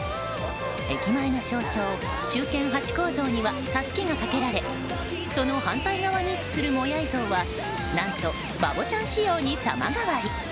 駅前の象徴、忠犬ハチ公像にはたすきがかけられその反対側に位置するモヤイ像は何とバボちゃん仕様に様変わり。